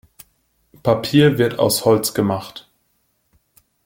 Papier wird aus Holz gemacht.